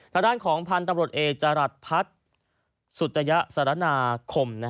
ทดานของพันธุ์ตำรวจเอจรัตน์พัฒน์สุตยะสรรณาคม